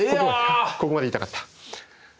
ここまで言いたかった。